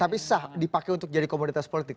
tapi sah dipakai untuk jadi komoditas politik